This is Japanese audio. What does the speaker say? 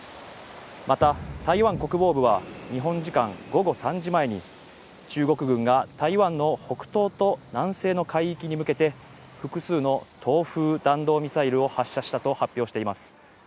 また、台湾国防部は日本時間午後３時前に中国軍が台湾の北東と南西の海域に向けて複数の東風弾道ミサイルを発射したと発表しています。